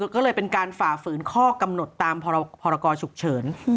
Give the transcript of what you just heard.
ก็เลยเป็นการฝ่าฝืนข้อกำหนดตามพรกรฉุกเฉิน